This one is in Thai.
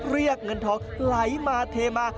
เรียกเงินทองไหลมาเทมา